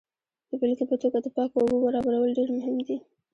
د بیلګې په توګه د پاکو اوبو برابرول ډیر مهم دي.